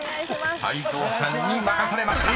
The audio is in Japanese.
［泰造さんに任されました］